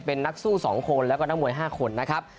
เป็นนักสู้๒คนแล้วก็นักมวย๕คนนะครับ